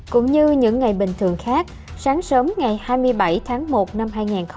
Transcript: cũng như những ngày bình thường khác sáng sớm ngày hai mươi bảy tháng một năm hai nghìn hai mươi